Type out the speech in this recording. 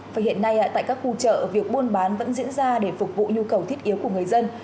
và hiện nay tại các khu chợ việc buôn bán vẫn diễn ra để phục vụ nhu cầu thiết yếu của người dân